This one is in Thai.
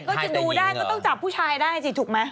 ก็จะดูได้ก็ต้องจับผู้ชายได้สิถูกไหม